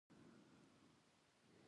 د موخې ټاکلو کې مو مرسته کوي.